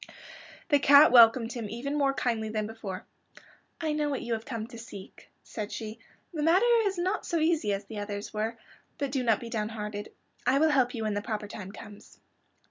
The cat welcomed him even more kindly than before. "I know what you have come to seek," said she. "This matter is not so easy as the others were. But do not be downhearted. I will help you when the proper time comes."